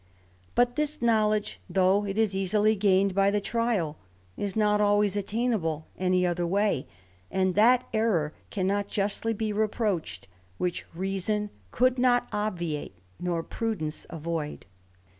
But this knowledge, though it is easily gained by the trial, is not always attainable any other way; and that errour cannot justly be reproached, which reason could not obviate, nor prudence avoid.